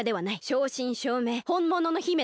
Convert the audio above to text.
しょうしんしょうめいほんものの姫だ。